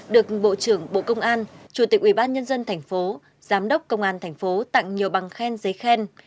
được bộ trưởng bộ công an chủ tịch ubnd tp giám đốc công an thành phố tặng nhiều bằng khen giấy khen